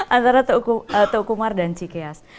antara teuku umar dan cikeas